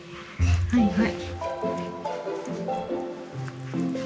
はいはい。